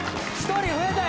１人増えた！